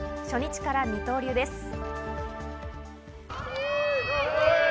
初日から二刀流です。